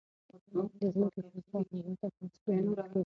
د ځمکې شاوخوا هوا ته اتموسفیر ویل کیږي.